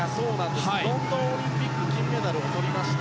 ロンドンオリンピック金メダルを取りまして